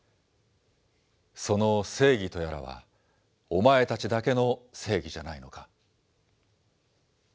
その正義とやらはお前たちだけの正義じゃないのか？